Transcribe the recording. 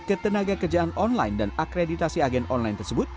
ketenaga kerjaan online dan akreditasi agen online tersebut